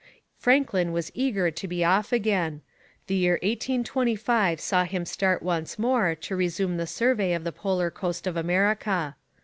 Franklin was eager to be off again. The year 1825 saw him start once more to resume the survey of the polar coast of America.